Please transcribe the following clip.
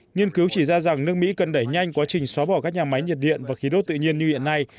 nghiên cứu chỉ ra rằng nước mỹ cần đẩy nhanh quá trình xóa bỏ các nhà máy nhiệt điện và khí đốt tự nhiên như hiện nay